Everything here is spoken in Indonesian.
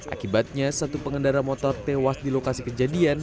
akibatnya satu pengendara motor tewas di lokasi kejadian